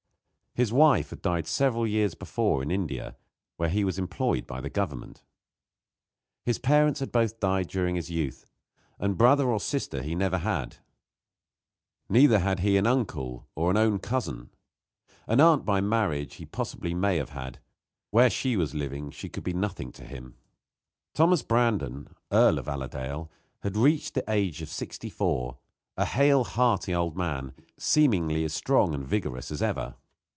His wife had died several years before in India, where he was employed by the government. His parents had both died during his youth, and brother or sister he never had. Neither had he an uncle or an own cousin. An aunt by marriage he possibly may have had, but were she living she could be nothing to him. Thomas Brandon, Earl of Allerdale, had reached the age of sixty four, a hale hearty old man, seemingly as strong and vigorous as ever.